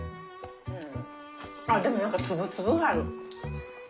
あっでも何か粒々がある。